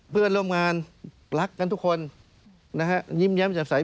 เพื่อนร่วมงานรักกันทุกคนนะฮะยิ้มแย้มแจ่มใส